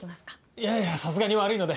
いやいやさすがに悪いので。